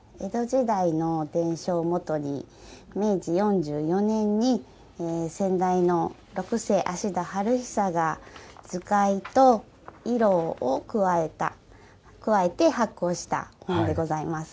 江戸時代の伝書をもとに明治４４年に先代の六世・芦田春壽が図解と色を加えて発行したものでございます。